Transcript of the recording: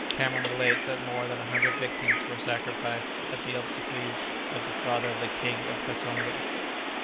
Cameron relates that more than a hundred victims were sacrificed at the obsequies of the father of the King of Kassongo.